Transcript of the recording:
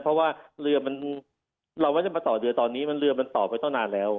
เพราะว่าเรือมันเราไม่ได้มาต่อเรือตอนนี้มันเรือมันต่อไปตั้งนานแล้ว